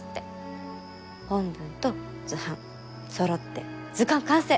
本文と図版そろって図鑑完成！